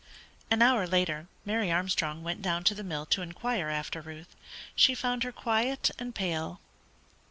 An hour later, Mary Armstrong went down to the mill to inquire after Ruth. She found her quiet and pale.